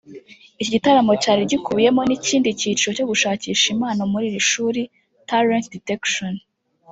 Iki gitaramo cyari gikubiyemo n’ikindi cyiciro cyo gushakisha impano muri iri shuri ‘Talent Detection’